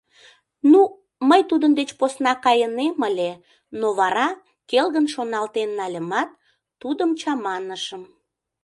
Ну, мый тудын деч посна кайынем ыле, но вара, келгын шоналтен нальымат, тудым чаманышым.